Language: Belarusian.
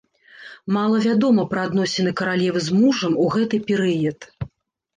Мала вядома пра адносіны каралевы з мужам у гэты перыяд.